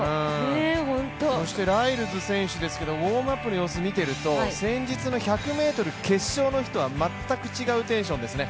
そしてライルズ選手ですけど、ウォームアップの様子を見ていると先日の１００ｍ決勝の日とは全く違うテンションですね。